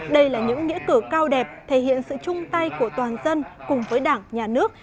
đây là những nghĩa cử cao đẹp thể hiện sự chung tay của toàn dân cùng với đảng nhà nước